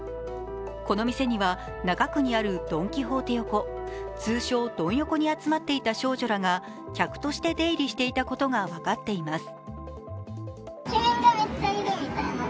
この店には中区にあるドン・キホーテ横、通称・ドン横に集まっていた少女らが客として出入りしていたことが分かっています。